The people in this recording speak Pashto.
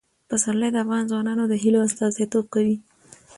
پسرلی د افغان ځوانانو د هیلو استازیتوب کوي.